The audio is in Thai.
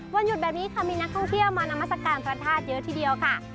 วันหยุดแบบนี้ค่ะมีนักท่องเที่ยวมานามัศกาลพระธาตุเยอะทีเดียวค่ะ